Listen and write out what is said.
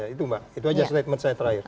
itu mbak itu aja statement saya terakhir